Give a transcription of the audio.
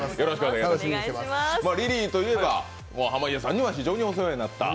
リリーといえば、濱家さんには非常にお世話になった。